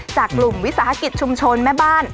จากกลุ่มวิสาหกิจชุมชนแม่บ้าน